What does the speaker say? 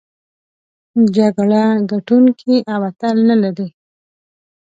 جګړه ګټوونکی او اتل نلري.